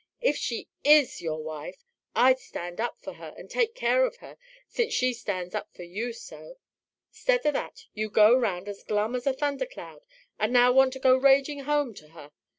"If she IS your wife I'd stand up for her and take care of her, since she stands up for you so. 'Stead of that, you go round as glum as a thundercloud and now want to go ragin' home to her.